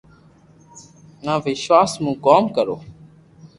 نہ وݾواݾ مون ڪوم ڪرو